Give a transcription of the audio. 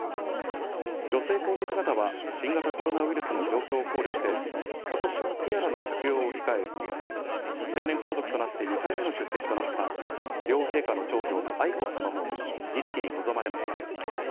女性皇族方は新型コロナウイルスの状況を考慮して、ことしもティアラの着用を控え、成年皇族となって２回目の出席となった両陛下の長女、愛子さまも儀式に臨まれました。